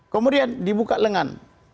kemudian dibuka lengan